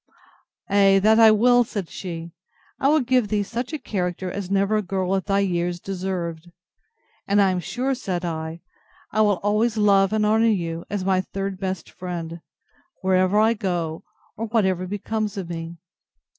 Ay, that I will, said she; I will give thee such a character as never girl at thy years deserved. And I am sure, said I, I will always love and honour you, as my third best friend, wherever I go, or whatever becomes of me.